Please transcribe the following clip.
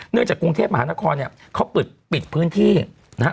เนื่องจากกรุงเทพฯมหานครเนี่ยเขาปิดพื้นที่นะฮะ